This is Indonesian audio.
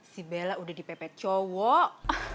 si bella udah dipepet cowok